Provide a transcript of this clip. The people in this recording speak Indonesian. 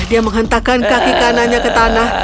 dia menghentakkan kaki kanannya ke tanah